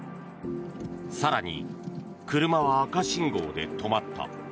更に、車は赤信号で止まった。